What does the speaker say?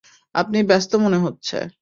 আপনি ব্যস্ত মনে হচ্ছে।